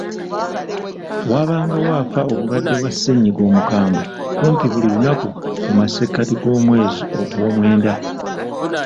Waabangawo afa obulwadde bwa ssennyiga omukambwe kumpi buli lunaku mu masekkati gw'omwezi ogwomwenda.